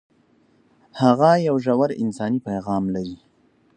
هغه یو ژور انساني پیغام لري.